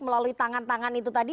melalui tangan tangan itu tadi